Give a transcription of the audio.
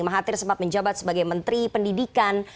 mahathir sempat menjabat sebagai menteri pendidikan